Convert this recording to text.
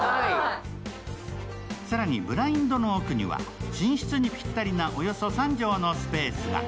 更にブラインドの奥には寝室にぴったりなおよそ３畳のスペースが。